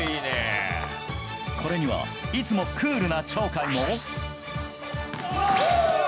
これにはいつもクールな鳥海も。